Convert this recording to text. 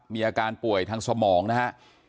มีอาการป่วยทางสมองนะฮะ